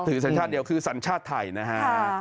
สัญชาติเดียวคือสัญชาติไทยนะฮะ